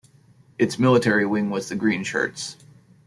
Its military wing was the Greenshirts.